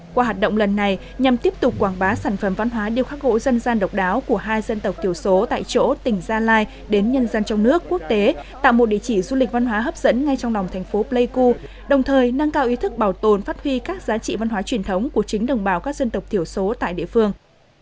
qua hoạt động lần này nhằm tiếp tục quảng bá sản phẩm văn hóa điêu khắc hộ dân gian độc đáo của hai dân tộc thiểu số tại chỗ tỉnh gia lai đến nhân dân trong nước quốc tế tạo một địa chỉ du lịch văn hóa hấp dẫn ngay trong lòng thành phố pleiku đồng thời nâng cao ý thức bảo tồn phát huy các giá trị văn hóa truyền thống của chính đồng bào các dân tộc thiểu số tại địa phương